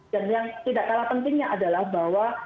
dan yang tidak kalah pentingnya adalah bahwa